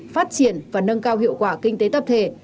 phát triển và nâng cao hiệu quả kinh tế tập thể